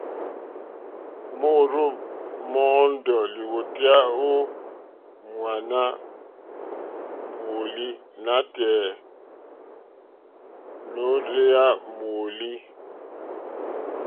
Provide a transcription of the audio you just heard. Môrzô mɔ́ɔ́ndɔ̀ lìwòtéyá ô ŋwáɲá mòòlî nátɛ̀ɛ̀ nôrzéyá mòòlí.